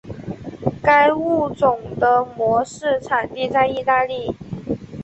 该物种的模式产地在意大利。